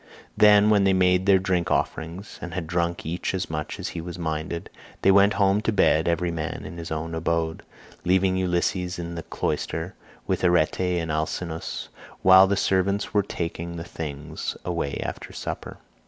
Then when they had made their drink offerings, and had drunk each as much as he was minded they went home to bed every man in his own abode, leaving Ulysses in the cloister with Arete and Alcinous while the servants were taking the things away after supper.